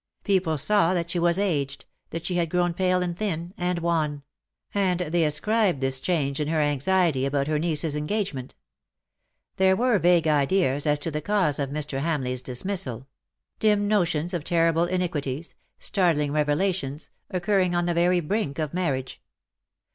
People saw that she was aged, that she had grown pale and thin and wan ; and they ascribed this change in her to anxiety about her niece's engagement. There were vague ideas as to the cause of Mr. Haml eights dismissal — 110 "but here is one who dim notions of terrible iniquities, startling reve* lationsj occurring on tlie very brink of marriage.